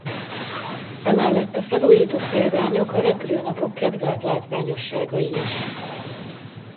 Emellett a felújított példányok a repülőnapok kedvelt látványosságai is.